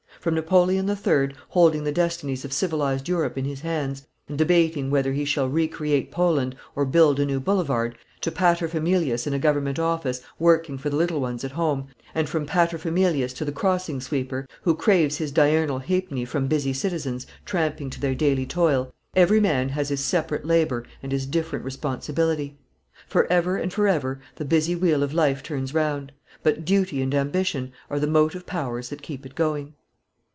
From Napoleon III., holding the destinies of civilised Europe in his hands, and debating whether he shall re create Poland or build a new boulevard, to Paterfamilias in a Government office, working for the little ones at home, and from Paterfamilias to the crossing sweeper, who craves his diurnal halfpenny from busy citizens, tramping to their daily toil, every man has his separate labour and his different responsibility. For ever and for ever the busy wheel of life turns round; but duty and ambition are the motive powers that keep it going.